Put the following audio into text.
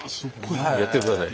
やってください。